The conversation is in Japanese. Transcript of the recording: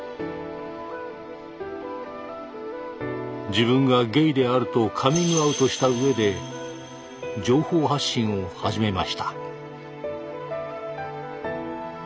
自分がゲイであるとカミングアウトしたうえで情報発信を始めました。